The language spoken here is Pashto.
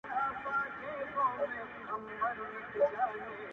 زرافه چي په هر ځای کي وه ولاړه!